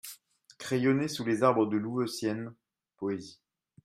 Crayonné sous les Arbres de Louveciennes, poésie.